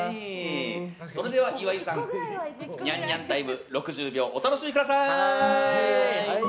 それでは岩井さんニャンニャンタイム６０秒、お楽しみください！